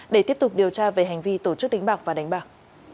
để tiếp tục điều tra về hành vi tổ chức đánh bạc và đánh bạc